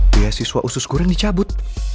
biasiswa usus guren dicabut